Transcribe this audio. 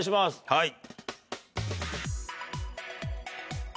はい。